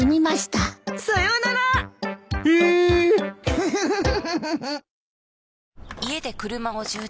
ウフフフ。